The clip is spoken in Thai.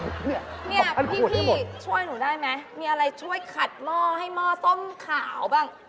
เนี่ยพี่ช่วยหนูได้ไหมมีอะไรช่วยขัดหม้อให้หม้อส้มขาวบ้าง